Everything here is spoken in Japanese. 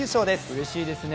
うれしいですね。